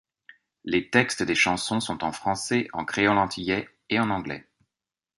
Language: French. Les textes des chansons sont en français, en créole antillais et en anglais.